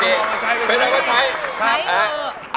ใช้คือ